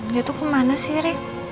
dia tuh kemana sih ri